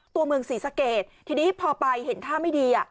ตัวเมืองศรีสะเกดทีนี้พอไปเห็นท่าไม่ดีอ่ะ